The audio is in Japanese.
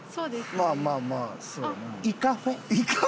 まあまあまあそうね。